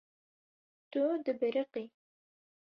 Tu dibiriqî.